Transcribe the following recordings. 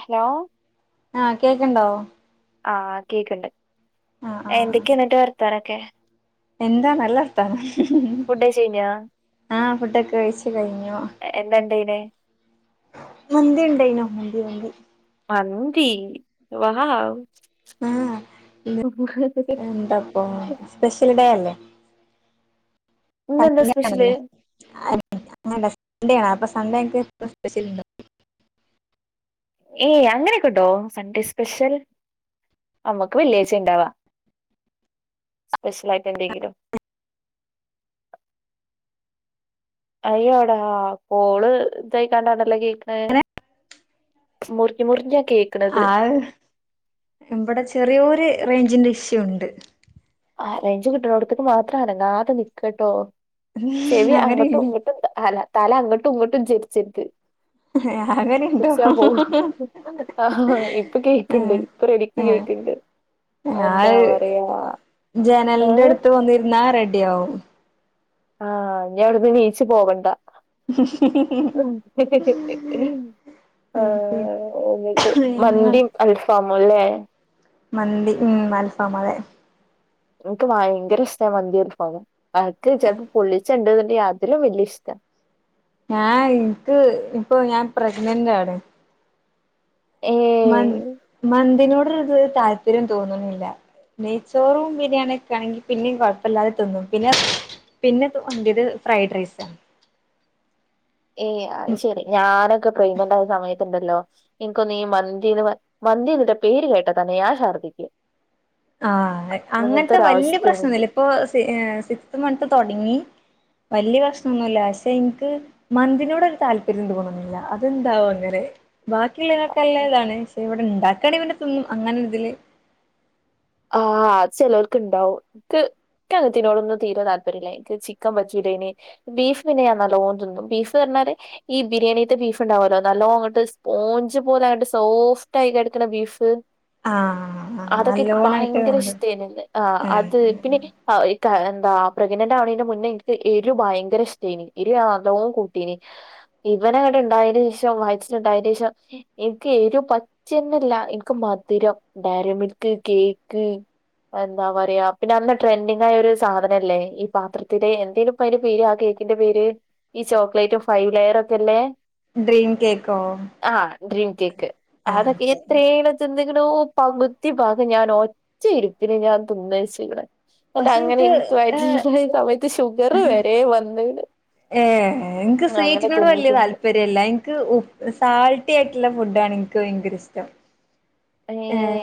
Hello ആഹ കേക്കണ്ടാവോ ആഹ് കേക്കണ്ട് ആഹ് എന്തൊക്കെയ ന്റെ വർത്താനൊക്കെ എന്താ നല്ലർത്താനം ഹ് ഹ് ഫുഡ് കഴിച്ച് കഴിഞ്ഞോ ആഹ ഫുഡൊക്കെ കഴിച്ചു കഴിഞ്ഞു എന്താണ്ടായിനെ മന്തി ഉണ്ടായിന്നു മന്തി മന്തി നന്ദി വാ ഹു ആഹ് ഇന്ന് ഉ എന്താപ്പൊ [unintelligible] ഇന്നെന്താ സ്പെഷ്യല് അങ്ങാണല്ലോ [unintelligible] സൺഡേ ആണ് അപ്പൊ സൺഡേ ക്കെ സ്പെഷ്യല് ണ്ടൊ ഏയ് അങ്ങനെയൊക്കെ ഉണ്ടോ സൺഡേ സ്പെഷ്യൽ അമ്മക്ക് വെള്ളിയാഴ്ച്ച ഉണ്ടാവാ സ്പെഷ്യൽ ആയിട്ട് എന്തെങ്കിലും അയ്യോടാ കോള് ഇതയിക്കാണ്ടാണല്ലോ കേക്ക്ണ് അങ്ങനെ മുറിഞ്ഞ് മുറിഞ്ഞ് ആ ഇവിടെ ചെറിയൊരു റേഞ്ചിന്റെ ഇഷ്യു ഉണ്ട് ആഹ് റേഞ്ച്‌ കിട്ടണോടത്തേക്ക് മാത്രം അനങ്ങാതെ നിക്കേട്ടോ ഉം ചെവി അങ്ങൊട്ടും അങ്ങനെണ്ട് ഇങ്ങൊട്ടും ത് അല തല അങ്ങൊട്ടും ഇങ്ങൊട്ടും ചരിച്ചിരുത്ത് അങ്ങനെണ്ടോ ര്ചാ പോവും ആഹ് ഇപ്പ കേക്ണ്ട് ആഹ് ഇപ്പ റെഡിക്ക് ആഹ് കേക്ക്‌ ക് ണ്ട് അഹ് ന്താ ആഹ് പറയാ ജനലിന്റെ ഏഹ് എടുത്ത് വന്നിരുന്നാ റെഡി ആവും ആഹ് ഞ്ഞി അഉടുന്ന് നീച്ചി പോവണ്ട [unintelligible] ഉംഹ് ഹ് ഹ് ആ ഉം എന്നിട്ട് പിന്നെ മന്തിയും അൽഫാമും അല്ലേ മന്തി ഉം ആൽഫാം അതെ ഇൻക്ക് ഭയങ്കര ഇഷ്ടാ മന്തി അൽഫാമും അൻക്ക് ചെൽപ്പോ പൊള്ളിച്ചെ ണ്ടെന്നുണ്ടേ അതിലും വല്യ ഇഷ്ടാ ഞാൻ ഇൻക്ക് ഇപ്പൊ ഞാൻ പ്രഗ്നന്റ് ആാണ് ഏയ് മന്ത് മന്തിനോട് ഇത് താല്പര്യം തോന്നുണില്ല നെയ്ച്ചോറും ബിരിയാണിയും ഒക്കെ ആണെങ്കിൽ പിന്നിം കൊഴപ്പല്ലാതെ തിന്നും പിന്നെ പിന്നത് [unintelligible] ഫ്രൈഡ് റൈസാ ഏയ് അയ്ശെരി ഞാനൊക്കെ പ്രഗ്നൻ്റായ സമയത്ത്- ത്ണ്ടല്ലോ എനിക്കൊന്ന് ഈ മന്തിന്ന് പ മന്തിയാന്ന്ട്ടോ പേര് കേട്ടാ തന്നെ ഞാൻ ശർദിക്കും ആഹ് എ അങ്ങൻത്തെ വല്യ പ്രശ്നന്നുല്ല എനിക്ക് ഇപ്പൊ സി സിക്സ്ത് മന്ത് തുടങ്ങി വല്യ പ്രശ്നൊന്നുല്ല പക്ഷേ ഇൻക്ക് മന്തിനോട് വൽ താല്പര്യം തോന്നുന്നില്ല അത് എന്താവോ അങ്ങനെ ബാക്കിയുള്ളേന് ഒക്കെ നല്ല താണ് പക്ഷെ ഇവിടെ ഇണ്ടാക്കാണേ പിന്നെ തിന്നും അങ്ങനെ ഒരിതില് ആഹ് ചിലർക്ക് ഇണ്ടാവും ൻക്കങ്തെയ്നോടൊന്നും തീരെ താല്പര്യല്ല ൻക്ക് ചിക്കൻ വെച്ചൂടേനി ബീഫ് പിന്നെ ഞാൻ നല്ലോണം തിന്നും ബീഫ് അതെ ഈ ബിരിയാണിത്തെ ബീഫ്ണ്ടാവല്ലോ നല്ലോ ങ്ങട്ട് സ്പോഞ്ച് പോലെ അട് സോഫ്റ്റ് ആയി കെട്ക്ണ ബി ബീഫ് ആഹ് ആ അതൊക്കെ അല്ലോ എനിക്ക് ഭയങ്കര ഇഷ്ടേനി അത് ആഹ് അത് പിന്നെ ആഹ് ക താ പ്രഗ്നന്റ് ആവ്ണെയ്ന്റെ മുന്നേ ൻക്ക് എരു ഭയങ്കര ഇഷ്ട്ടേഞ്ഞി എരു ആ തോ കൂട്ടേഞ്ഞി ഇ ഇവനവിടെ ഉണ്ടായേന് ശേഷം വയറ്റിലുണ്ടായേനേഷം എനിക്ക് എരു പച്ചന്നല്ല എനിക്ക് മധുരം രൊ ഡാരി മിൽക്ക് കേക്ക് എന്താ പറയാ പിന്നെ അന്ന് ട്രെൻഡിങ് ആയ ഒരു സാധനല്ലേ ഈ പാത്രത്തിലെ എന്തേഞു പയിന്റെ പെര് ആ കേക് തിന്റെ പേര് ഈ ചോക്ലേറ്റും ഫൈവ് ലെയറ് ക്കെ ഇല്ലേ ഡ്രീം കേക്കോ ഡ്രീം കേക്ക് ആഹ് അതൊക്കെ അതെ എത്രേണ് തിന്നിക്ക്ണൂ പകുതി ഭാഗം ഞാൻ ഒറ്റ് ചിരിപ്ന് ഞാൻ തുന്നേച്ക്ണ് ന്നട്ട് പക്ഷെ ഇൻക്ക് അങ്ങനെൻക്ക് ഏഹ് [unintelligible] സമയത്ത് ഷുഗർ വരേ വന്ന്ണ് ഏ എനിക്ക് അങ്ങനെ സ്വീറ്റിനോട് തിന്ന് വലിയ തിന്ന് താല്പര്യംല്ല എനിക്ക് സാൾട്ടി ആയിട്ടുള്ള ഫുഡ് ആണ് ൻക്കു വയങ്കര ഇഷ്ടാ ഏഹ്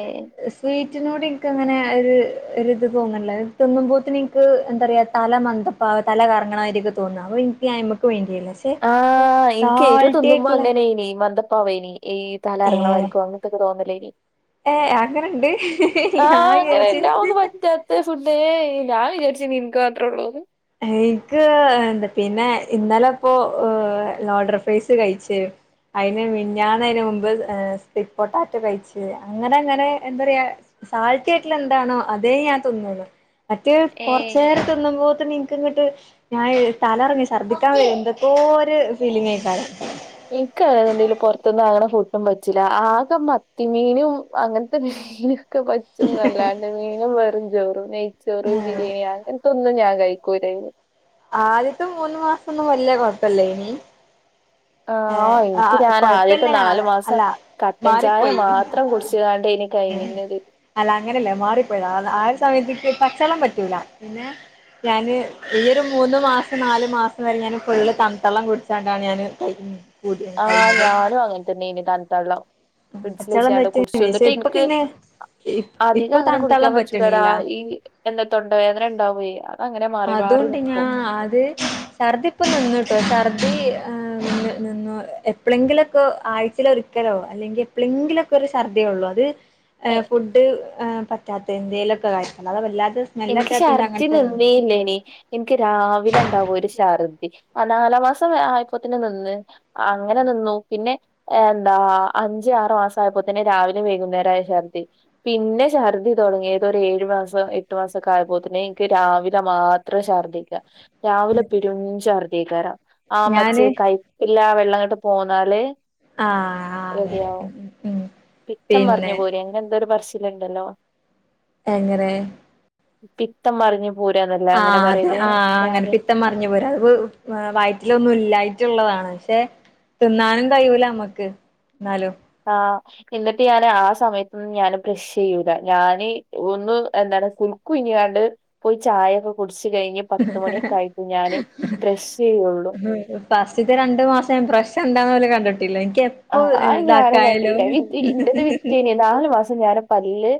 സ്വീ റ്റിനോടെൻക്കങ്ങനെ ഒര് ഒരിത് തോന്നല്ലേ തിന്നുമ്പോത്തിന് ഇൻക്ക് ന്താറിയ തല മന്ത പാ തല കറങ്ങണമായിരിയൊക്കെ തോന്നുന്നാ അപ്പം എനിക്ക് അമ്മക്ക് വേ ആഹ് എനിക്ക് ഏരു തിന്നുമ്പോ ആയിട്ടുള്ള അങ്ങനായിനേ മതം പ്പോവേനി ഈ ഏ തലറങ്ങണമായിരിക്കോ അങ്ങനത്തൊക്കെ തോന്നലേനി ഏ അങ്ങനുണ്ട് ഞാൻ ആഹ് അങ്ങനെഉണ്ടാവന്ന് വിചാരിച്ച് പറ്റാത്ത ഫുഡേ ഞാൻ വിചാരിച്ച് ഇനി എനക്ക് മാത്രോ ഉള്ളോന്ന് എയിക്ക് എന്താ പിന്നെ ഇന്നലെ ഇപ്പോ ലോഡർ ഫ്രൈസ് കഴിച്ച് അതിന് മിനിഞ്ഞാന്ന് അതിന് മുമ്പ് സ്വീറ്റ് പൊട്ടാറ്റ കഴിച്ച് അങ്ങനെ അങ്ങനെ എന്താ പറയാ സാഴത്തിയാട്ടിൽ എന്താണോ അതേ ഞാൻ തിന്നുള്ളൂ മറ്റേ ഏഹ് കൊറച്ചേരം തിന്നുമ്പോത്തിന് എനി ക്കിങ്ങ്ട്ട് ഞാൻ തലറങ്ങി ശർദിക്കാൻ വരും എന്തൊക്കോ ഒരു ഫീലിങ്ങ് എക്കാരം എനിക്കങ്ങനാന്നുണ്ടെങ്കില് പൊറത്ത്ന്ന് വാങ്ങണ ഫുഡും പറ്റില്ല ആക മത്തിമീനും അങ്ങൻത്ത [unintelligible] എനിക്ക് പറ്റുന്നല്ലാണ്ട് മീനും വെറും ചോറും നെയ്ച്ചോറ് ബിരിയാണി അങ്ങനെ ഇതൊന്നും ഞാൻ കഴിക്കൂലാര്ന്നു ആദ്യത്തെ മൂന്നു മാസൊന്നും വല്ല്യ കൊഴപ്പയില്ലേനി. ആഹ് എനിക്ക് ഞാൻ ആദ്യത്തെ നാലു ആള് മാസം അല്ല കട്ടൻ ചായ മാറിപ്പോയി മാത്രം കുടിച്ച് കാണ്ടി കഴിഞ്ഞിങ്ങിനത് അല്ല അങ്ങനെയല്ല മാറിപ്പോയതാ ആഹ് ഒരു സമയത്തേക്ക് പച്ചളം പറ്റല പിന്നെ ഞാൻ ഈ ഒരു മൂന്ന് മാസം നാല് മാസം വരെ ഞാൻ പൊള്ള കന്തള്ളം കുടിച്ചാണ്ടാണ് ഞാന് കഴി ആഹ് ഞാനും അങ്ങനെതന്നെയാനി തണുത്തള്ളം ഫ്രിഡ്ജില് പച്ചവെള്ളം വെച്ചാണ്ട് പറ്റും കുടിച്ചു പക്ഷെ എന്നിട്ട് ഇപ്പൊ എനിക്ക് പിന്നെ ആഹ് അധികം ഇപ്പൊ അങ്ങനെ കുടിക്കാൻ തണുത്തള്ളം പറ്റൂല്ലടാ പറ്റണില്ല ഈ എന്താ തൊണ്ടവേദന ഉണ്ടാവേ അത് അങ്ങനെ മാറി മാറി ഉണ്ടി നിക്കും. അത് ഛർദി ഇപ്പൊ നിന്നൂട്ടോ ഛർദി നിന്ന് നിന്ന് എപ്പൊളെങ്കിലുംമൊക്കെ ആഴ്ചേല് ഒരിക്കലോ അല്ലെങ്കിൽ എപ്പൊളെങ്കിലൊക്കെ ഒരു ഛർദിയേ ഉള്ളൂ അത് എ ഏഹ് ഫുഡ് ആഹ് പറ്റാത്തേന്റെ എന്തേലും ഒക്കെ ആരിക്കും അല്ലാതെ വരില്ല എനിക്ക് ഷർദി നിന്നേയില്ലേനി എനിക്ക് രാവിലെ ഉണ്ടാവോ ഒരു ഷർദി ആ നാലാം മാസം ആയപ്പൊത്തിന് നിന്ന് അങ്ങനെ നിന്നു പിന്നെ എന്താ അഞ്ച ആറു മാസം ആയപ്പോ തന്നെ രാവിലെ വൈകുന്നേരമായ ഛർദി പിന്നെ ഛർദ്ദിടങ്ങി ഏതൊ ഒരു ഏഴു മാസം എട്ടു മാസൊക്കെ ആയപ്പോത്ത്ന് എനിക്ക് രാവിലെ മാത്രേ ശർദ്ദിക്കാ രാവിലെ ഉം [unintelligible] ആ ഞാന് മച്ചേ കൈപ്പില്ല വെള്ളം അങ്ങോട്ട് പോന്നാല് ആഹ് അതെ റെഡിയാവും. ഉം പിത്തം പറഞ്ഞു പിന്നെ പോര്യോ അങ്ങനെ എന്തോ ഒരു പറച്ചിലുണ്ടല്ലോ. എങ്ങനെ പിത്തം മറിഞ്ഞ് ആ അതെ ആഹ് അങ്ങനെ പിത്തം മറിഞ്ഞു പോരാ അതിപ്പം വയറ്റിലൊന്നും ഇല്ലായി ഉള്ളതാണ് പക്ഷെ തിന്നാനും കഴിയൂല നമ്മക്ക് എന്നാലും ആഹ് എന്നിട്ട് ഞാന് ആ സമയത്തൊന്നും ഞാന് ബ്രഷ് ചെയ്യൂല ഞാന് ഒന്ന് എന്താ ഇവിടെ കുൽക്കു ഇഞ്ഞിങ്ങാണ്ട് പോയി ചായയൊക്കെ കുടിച്ച് അത് കഴിഞ്ഞ് പത്ത് മണിയൊക്കെ ആയിട്ട് ഞാന് ഡ്രസ്സ്‌ ചെയ്യുള്ളു [unintelligible] രണ്ട് മാസം ബ്രഷ് എന്താന്ന് പോലും കണ്ടിട്ട് ആഹ് അയ് ഞാനും കണ്ടില്ല [unintelligible] ഇൻ്റത് വിറ്റിയേന് നാലു മാസം ഞാന് പല്ല്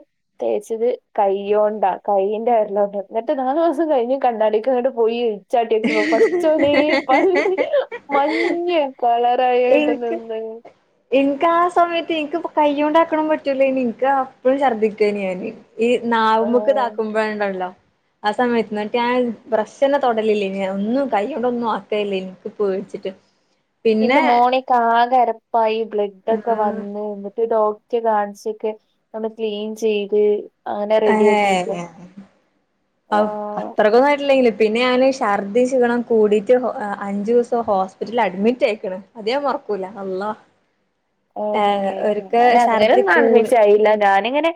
പ്രത്യേകിച്ചത് കയ്യോണ്ടാ കൈയിൻന്റെറെ അയലോണ്ട് എന്നിട്ട് നാലു മാസം കഴിഞ്ഞ് കണ്ണാടിക്ക്ങ്ങ്ട്ട് പോയി ചാട്ടി ഇപ്പം കൊറച്ച് [unintelligible] മഞ്ഞ കള [unintelligible] കിട്ടുന്നെ എനിക്ക് [unintelligible] എനിക്ക് ആഹ് സമയത്ത് എനിക്ക് ഇപ്പം കൈയൊണ്ടാക്കണം പറ്റൂല ഇനി എനിക്ക് അപ്പഴും ഛർദ്ദിക്കുവേനി ഞാന് ഈ നാവ് മുക്ക് ആഹ് താക്കുമ്പോഴ് ഉണ്ടല്ലോ ആ സമയത്ത് [unintelligible] ഞാൻ ബ്രഷന്നെ തൊടലില്ലേ. ഞാൻ ഒന്നും കൈകൊണ്ടൊന്നും ആക്കലില്ലേനു. എനിക്ക് പേടി വച്ചിട്ട് എന്റെ മോണക്ക് ആകെ അരപ്പായി ബ്ലഡൊക്കെ എന്നിട്ട് ഡോക് [unintelligible] കാണിച്ചൊക്കെ നമ്മൾ ക്ലീൻ ചെയ്ത് അങ്ങനെ റെഡിയാക്കിക്ക്ണ് ഏഹ് ഔ ആഹ് അത്രക്കൊന്നും ആയിട്ടില്ലെങ്കിലും പിന്നെ ഞാന് ശർദ്ദി ശീണം കൂടിട്ട് [unintelligible] അ അഞ്ച് ദിവസം ഹോസ്പിറ്റലിൽ അഡ്മിറ്റ് ആയേക്ക്ണ് അത് മറക്കൂ- ക്കൂല അള്ളാ ഓ ഏ ഒരിക്കെ ഞാൻ ഛർദി അങ്ങനൊന്നും കൂടി [unintelligible] ഞാൻ എങ്ങനെ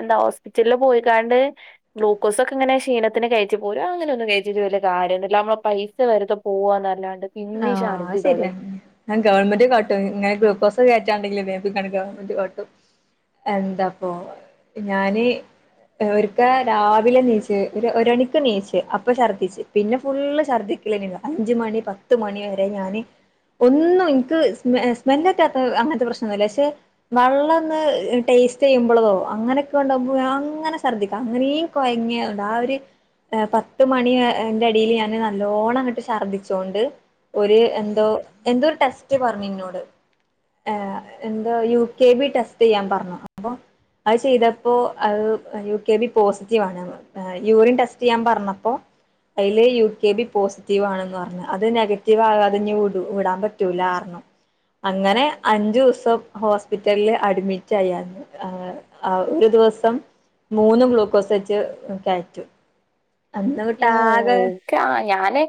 എന്താ ഹോസ്പിറ്റലില് പോയിക്കാണ്ട് ഗ്ലൂക്കോസ് ഒക്കെ ഇങ്ങനെ ക്ഷീണത്തിന് കഴിച്ചു പോരും അങ്ങനെ ഒന്നും അത് തേച്ചിട്ട് വലിയ കാര്യൊന്നുല്ല നമ്മള് പൈസ വെറുതെ പോവാന്നല്ലാണ്ട് പിന്നിം ആഹ് ഛർദി അത് ശരിയ തൊടങ്ങും. ഗവൺമെന്റ് കാട്ടും ഇങ്ങനെ ഗ്ലൂക്കോസ് കേ [unintelligible] എന്താപ്പൊ ഞാന് ഓര്ക്ക രാവിലെണീച്ച് ഒരു ഒരണിക്കെണീച്ച് അപ്പം ശർദിച്ച് പിന്നെ ഫുള്ള് ശർദ്ദി ില്ല അഞ്ച മണി പത്ത് മണി വരെ ഞാാന് ഒന്നും എനിക്ക് സ്മ സ്മെല്ൊക്കാത്ത അങ്ങനത്തെ പ്രശ്നംൊന്നുമില്ല പക്ഷെ വെള്ളം ഒന്ന് േസ്റ്റ് ചെയ്യുമ്പോളതോ അങ്ങനെയൊക്കെണ്ടാവുമ്പോ അങ്ങനെ സർദിക്കാം അങ്ങനെയ കൊയങ്ങണ്ട് ആര് പത്ത മണിന്റെ അടിൽ ഞാാന് നല്ലോണം അങ്ങിട്ട് ഛർദ്ദിച്ചോണ്ട് ഒരു എന്തോ എന്തോരു ടെസ്റ്റ് പറഞ്ഞു നിന്നോട് ആ എന്താ യു കെ ബി ടെസ്റ്റ് ചെയ്യാൻ പറഞ്ഞു അപ്പൊ അത് ചെയ്തപ്പോ അത് യു കെ ബി പോസിറ്റീവ് ആണ് യൂറിൻ ടെസ്റ്റ് ചെയ്യാൻ പറഞ്ഞപ്പോ അതിെ യു കെ ബി പോസിറ്റീവ് ആണെന്ന് പറഞ്ഞഞ് അത് നെഗവ് [unintelligible] ഇനി വിടു വിടാൻ പറ്റൂലാ പറഞ്ഞു അങ്ങനെ അഞ്ചു ദിവസം ഹോസ്പിറ്റലില് അഡ്മിറ്റ് ആയായിരുന്നു ഒരു ദിവസം മൂന്ന് ഗ്ലൂക്കോസ് വട്ട കയറ്റു ഉ ഓക്കെ ഞാന്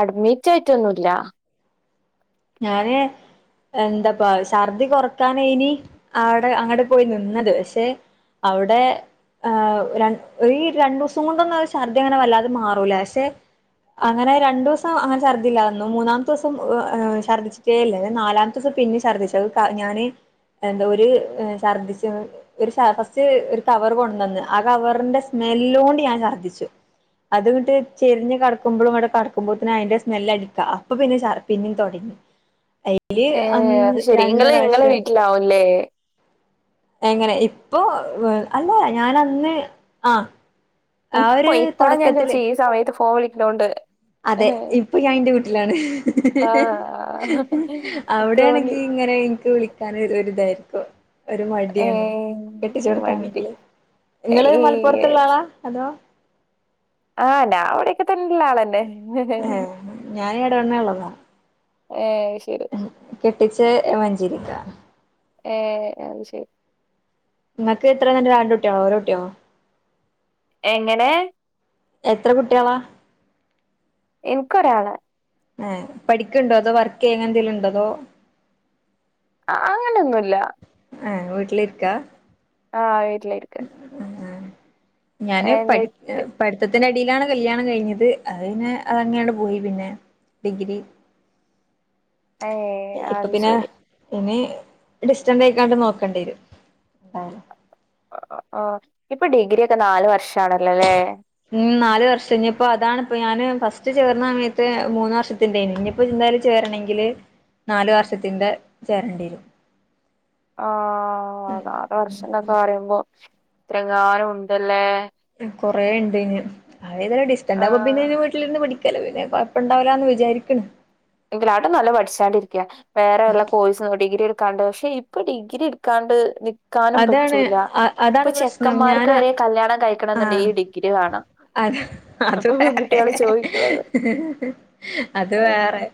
അഡ്മിറ്റ് ആയിട്ടൊന്നുമല്ല ഞത എന്താപ്പ ഛർദി കൊറക്കാനെ ഇനി അടെ അങ്ങടെ പോയി നിന്നത് പക്ഷെ അവിടെ ആ ര ഈ രണ്ട് ദിവസം കൊണ്ടൊന്നും ഛർദി അങ്ങനെ വല്ലാതെ മാറൂല പക്ഷെ അങ്ങനെ രണ്ടു ദിവസം അങ്ങനെ ശർദ്ധി ഇല്ലാതെ നിന്നു മൂന്നാമത്തെ ദിവസം ശർദിച്ചിട്ടേ ഇല്ലേ ഞാൻ നാലാമത്തെ ദിവസം പിന്നെയും ഛദ്ദിച്ചു അത് ഞാന് എന്താ ഒരു ഛർദ്ദിച്ച ഒരു ഫസ്റ്റ് ഒരു കവർ കൊണ്ടുന്ന് ആ കവറിന്റെ സ്മെ ല്ലോണ്ട് ഞാൻ ശർദ്ദിച്ചു അത് ഇങ്ങിട്ട് ചെരിഞ്ഞ് കടക്കുമ്പോഴും അവിടെ കടക്കുമ്പോഴത്തേന് അതിന്റെ സ്മെല്ല് അടിക്കുവാ അപ്പൊ പിന്നെ ശർദി ഇനിയും തുടങ്ങി ഏ അത് ശെരി രണ്ട് നിങ്ങള് നിങ്ങളെ പ്രാവശ്യം വീട്ടിലാവൂല്ലേ എങ്ങനെ ഇപ്പൊ അല്ല ഞാൻ അന്ന് ആ ആ ഇപ്പൊ ഒരു ഇപ്പളാ ഞാൻ തൊടക്കത്തില് ചോദിച്ചെ ഈ സമയത്ത് ഫോൺ വിളിക്കുന്നോണ്ട് അതെ ഇപ്പൊ ഞാൻ എന്റെ വീട്ടിലാണ് ആഹ് തോന്നി അവിടെയാണെങ്കി ഇങ്ങ നെ എനിക്ക് വിളിക്കാൻ ഒരുരിതാരുന്നു ഒരു മടിയാണ് ഏഹ് മടി കെട്ടിച്ചെടുത്താണെങ്കില് നിങ്ങള് ഏഹ് മലപ്പുറത്തുള്ള ആളാ ഹലോ ആ ഞാൻ ഇവിടൊക്കെ തന്നൊള്ള ആളന്നെ ഏഹ് ഞാൻ എവിടെ തന്നെ ഉള്ളതാ ഏ അത് ശരി [unintelligible] ഏ അത് ശരി നിങ്ങക്ക് എത്ര കുട്ടിയാ രണ്ട് കുട്ടിയോ ഒരു കുട്ടിയോ എങ്ങനെ എത്ര കുട്ടികളാ എനക്ക് ഒരാള് ആ പഠിക്കൊണ്ടോ അതോ വർക്ക് ചെയ്യണ എന്തേലും ഉണ്ടോ അതോ ആ അങ്ങനെയൊന്നുവില്ല ആ വീട്ടില് ഇക്കാ വീട്ടിലിരിക്ക ആ ഞാന് പഠി എന്നിട്ട് പഠിത്ത ത്തിന്റെ ഇടയിലാണ് കല്യാണം കഴിഞ്ഞത് അത് പിന്നെ അത് അങ്ങനെ അങ്ങട്ട് പോയി പിന്നെ ഡിഗ്രി [unintelligible] ഏഹ് ഇപ്പൊ അത് പിന്നെ ശരി ഇനി ഡിസ്റ്റൻക്കാണ്ട് നോക്കേണ്ടി വരും എ ആ ഇപ്പൊ ഡിഗ്രി ഒക്കെ നാല് വർഷാണല്ലോ അല്ലേ ഉം നാല് വർഷം ഇനിയിപ്പോ അതാണിപ്പോ ഞാന് ഫസ്റ്റ് ചേർന്ന സമയത്ത് മൂന്ന് വർഷത്തിന്റെയാനു ഇനിപ്പോ എന്തായാലും ചേരണമെങ്കില് നാലു വർഷത്തിന്റെ ചേരണ്ടി വരും ആ അതാറ് വർഷം എന്നൊക്കെ പറയുമ്പോ ഇത്ര കാലം ഉണ്ടല്ലേ കൊറേ ഉണ്ടീന് [unintelligible] ഡിസ്റ്റന്റ് ആകുമ്പോ ആഹ് പിന്നെ ഇനി വീട്ടിലിരുന്ന് പഠിക്ക ല് പിന്നെ കൊഴപ്പം ഇണ്ടാവില്ലാന്ന് വിചാരിക്കണ് [unintelligible] നല്ല പഠിച്ചാണ്ടിരിക്കുവാ വേറെ വല്ലാ കോഴ്സ് ഡിഗ്രി എടുക്കാണ്ട് പക്ഷെ ഇപ്പൊ ഡിഗ്രി എടുക്കാണ്ട് നി ക്കാനും അതാണ് പറ്റൂല അ ഇപ്പൊ അതാണ് പ്രശ്നം ഞാൻ ചെക്കന്മാർക്ക് വരെ കല്യാണം കഴിക്കണം ആഹ് എന്നുണ്ടെങ്കിൽ ഈ ഡിഗ്രി വേണം അത് അത് അപ്പൊ പെൺകുട്ടികള് വേറെ ചോദിക്കണത് അത് വേറെ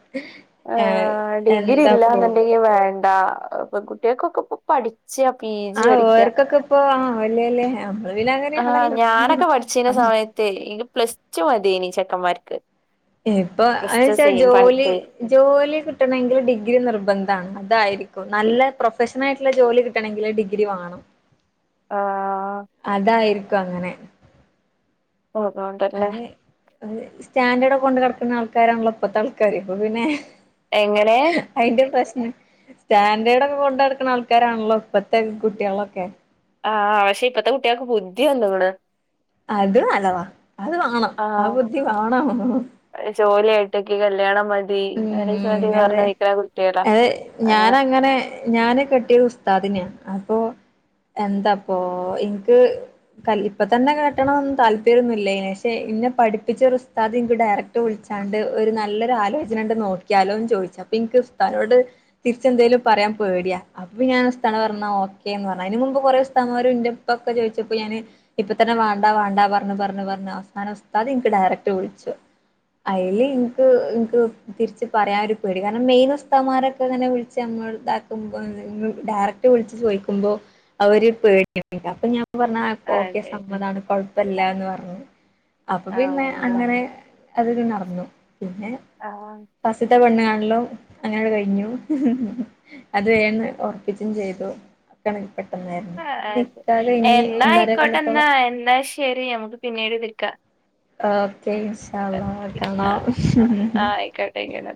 ആ ഏഹ് ഡിഗ്രി എന്താപ്പൊ ഇല്ലാന്നുണ്ടെങ്കി വേണ്ട ഇപ്പൊ കുട്ടികൾക്കൊക്കെ ഇപ്പോ പഠി ച്ച് ആ പിജി എടുക്കുക ഓർക്കൊക്കെ ഇപ്പൊ ആ വല്യ വല്യ നമ്മള് പിന്നെ ആ അങ്ങനെയാണല്ലോ ഞാനൊക്കെ പഠിച്ചതിന്‌ സ മയത്തേ ഇ പ്ലസ്ടു മതീനി ചെക്കന്മാർക്ക് ഇപ്പൊ എ പ്ലസ് ടു വച്ചാ സെയിം ജോലി പായിട്ട് ജോലി ജോലി കിട്ടണെങ്കിൽ ഡിഗ്രി നിർബന്ധാണ് അതായിരി ക്കും നല്ല പ്രൊഫഷണൽ ആയിട്ടുള്ള ജോലി കിട്ടണെങ്കില് ഡിഗ്രി വാങ്ങണം ആ അതായിരിക്കും അങ്ങനെ ഓ അതുകൊണ്ടല്ലേ അ സ്റ്റാൻഡേർഡ് ഒക്കെ കൊണ്ട് കിടക്കുന്ന ആൾക്കാരാണല്ലോ ഇപ്പഴത്തെ ആൾക്കാര് ഇപ്പൊ പിന്നെ എങ്ങനെ അതിന്റെ പ്രശ്നം സ്റ്റാൻഡേർഡ ഒക്കെ കൊണ്ട് നടക്കുന്ന ആൾക്കാരാണല്ലോ ഇപ്പത്തെ കുട്ടികളൊക്കെ ആഹ് ആ പക്ഷെ ഇപ്പത്തെ കുട്ടികൾക്ക് ബുദ്ധിയൊണ്ട് അത് അലവാ അത് വാണം ആ ബുദ്ധി വാണം ജോലി ആയിട്ടൊക്കെ കല്യാണം മ ഉം അതെ അതെ അങ്ങനെ ഞാനങ്ങനെ ഞാന് കെട്ടിയ ഉസ്താദ് ദിനെയാ എന്താപ്പൊ എനിക്ക് ഇപ്പൊ തന്നെ കേറ്റണൊന്നും താല്പര്യൊന്നില്ലേ ഷേ ന്നെ പഠിപ്പിച്ച ഒരു ഉസ്താദ് നിനിക്ക് ഡയറക്ട് വിളിച്ചാണ്ട് ഒരു നല്ലൊരു ആലോചന ഇത് രണ്ടും നോക്കിയാലോന്ന് ചോദിച്ച് അപ്പൊ എനിക്ക് സ്ഥലോട് തിരിച്ചെന്തേലും പറയാൻ പേടിയാ അപ്പൊ ഞാൻ അതാ പറേണ ഓക്കേന്ന് പറ അതിന് മുമ്പ് കൊറേ സ്മാപ്പൊക്കെ ചോദിച്ചപ്പോ ഞാന് ഇപ്പ തന്നെ വാണ്ടാ വാണ്ടാ പറഞ്ഞ് പറഞ്ഞ് പറഞ്ഞ് അവസാനം ഉസ്താദ് എനിക്ക് ഡയറക്ട് വിളിച്ചു അതില് ഇനിക്ക് ഇനിക്ക് തിരിച്ച് പറയാനൊരു പേടി കാരണം മെയിൻ ഉസ്താമാരൊക്കെ ഇങ്ങനെ വിളിച്ച് നമ്മൾ ഇതാക്കുമ്പോ ഡയറക്റ്റ് വിളിച്ചു ചോയിക്കുമ്പോ അവര് പേടിയാ [unintelligible] ന്ന് പറഞ്ഞാ ഇപ്പ ഓക്കെ അതെ സമ്മതാണ് കുഴപ്പമില്ലാന്ന് പറഞ്ഞു. അപ്പൊ പിന്നെ ആവുന്നതാ അങ്ങനെ അതൊരു നടന്നു പിന്നെ ആഹ് പസുത്തെ പെണ്ണ് കാണ ലോ അങ്ങന അങ്ങട് കഴിഞ്ഞു അത് വേന്ന് ഉറപ്പിച്ചും ചെയ്തു പെട്ടെന്നായിരുന്നു ആ അതെ നിക്കാഹ് കഴിഞ്ഞ് എന്നാ ഒന്നര ആയിക്കോട്ടെ എന്നാ കൊല്ലത്തോളം എന്നാ ശരി ഞമുക്ക് പിന്നീട് വിക്കാം ഓക്കെ ആഹ് ഇൻഷാള്ളാക്കണം ആഹ് ആയിക്കോട്ടെ ആയിക്കോട്ടെ